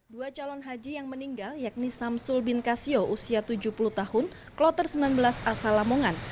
dua calon haji yang meninggal yakni samsul bin kasio usia tujuh puluh tahun kloter sembilan belas asal lamongan